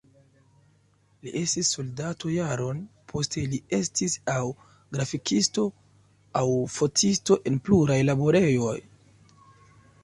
Li estis soldato jaron, poste li estis aŭ grafikisto, aŭ fotisto en pluraj laborejoj.